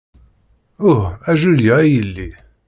Uh, a Julia, a yelli!